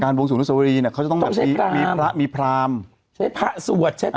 การวงสูงนุษย์สวรีเนี้ยเขาจะต้องแบบต้องใช้กรามมีพระมีพรามใช้พระสวดใช้กราม